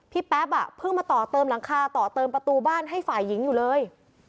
แป๊บอ่ะเพิ่งมาต่อเติมหลังคาต่อเติมประตูบ้านให้ฝ่ายหญิงอยู่เลย